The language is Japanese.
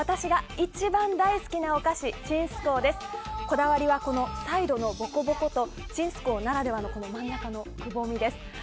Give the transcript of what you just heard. こだわりは最後のボコボコとちんすこうならではの真ん中のくぼみです。